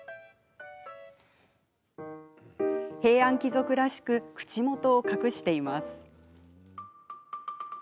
平安貴族らしく口元を隠しています。